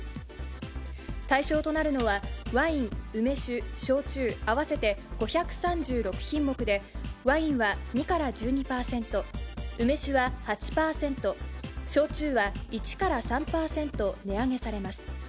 対象となるのは、ワイン、梅酒、焼酎、合わせて５３６品目で、ワインは２から１２％、梅酒は８％、焼酎は１から３％値上げされます。